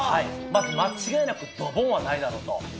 まず間違いなくドボンはないだろうと。